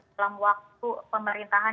dalam waktu pemerintahan